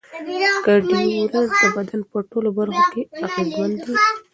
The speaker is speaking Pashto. ایا ډیوډرنټ د بدن په ټولو برخو کې اغېزمن دی؟